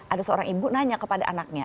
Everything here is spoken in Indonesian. ada seorang ibu nanya kepada anaknya